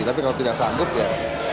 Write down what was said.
tapi kalau tidak sanggup ya